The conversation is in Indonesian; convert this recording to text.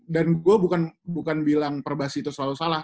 dan gue bukan bilang perbahasi itu selalu salah